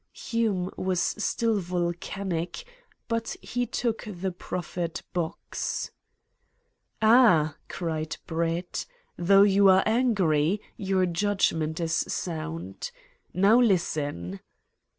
Hume was still volcanic, but he took the proffered box. "Ah," cried Brett, "though you are angry, your judgment is sound. Now listen!"